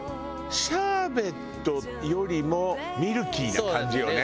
シャーベットよりもミルキーな感じよね。